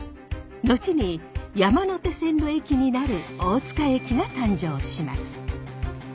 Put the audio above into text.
後に山手線の駅になる大塚駅が誕生します。